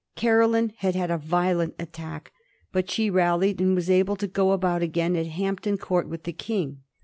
Caroline had had a violent attack, but she rallied and was able to go about again at Hampton Court with tbe King.